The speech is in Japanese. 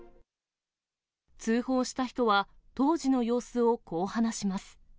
通報した人は、当時の様子をこう話します。